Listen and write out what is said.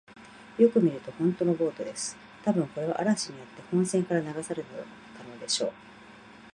よく見ると、ほんとのボートです。たぶん、これは嵐にあって本船から流されたのでしょう。